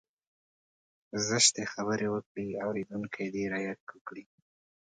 زشتې خبرې وکړي اورېدونکی دې رعايت وکړي.